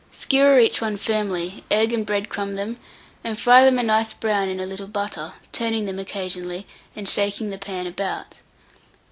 Skewer each one firmly, egg and bread crumb them, and fry them a nice brown in a little butter, turning them occasionally, and shaking the pan about.